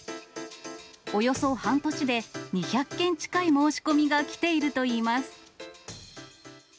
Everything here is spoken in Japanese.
およそ半年で、２００件近い申し込みが来ているといいます。